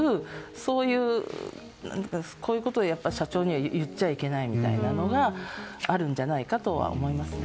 そういうことを社長に言っちゃいけないみたいなのがあるんじゃないかとは思いますね。